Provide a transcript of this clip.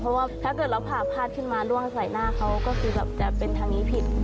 เพราะว่าถ้าเกิดเราผ่าพาดขึ้นมาร่วงใส่หน้าเขาก็คือแบบจะเป็นทางนี้ผิด